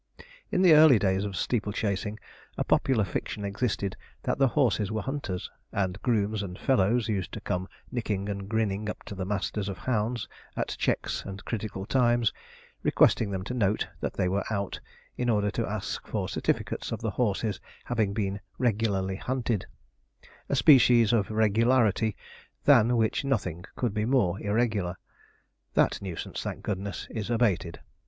In the early days of steeple chasing a popular fiction existed that the horses were hunters; and grooms and fellows used to come nicking and grinning up to masters of hounds at checks and critical times, requesting them to note that they were out, in order to ask for certificates of the horses having been 'regularly hunted' a species of regularity than which nothing could be more irregular. That nuisance, thank goodness, is abated.